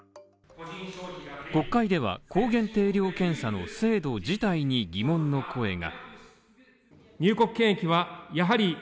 国会では、抗原定量検査の精度自体に疑問の声が。